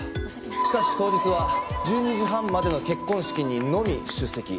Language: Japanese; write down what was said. しかし当日は１２時半までの結婚式にのみ出席。